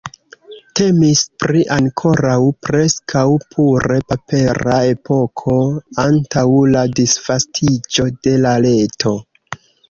Temis pri ankoraŭ preskaŭ pure papera epoko antaŭ la disvastiĝo de la reto.